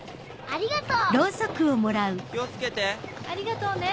ありがとうね。